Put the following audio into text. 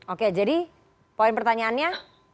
oke jadi poin pertanyaannya